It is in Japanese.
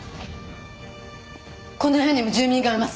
この部屋にも住民がいます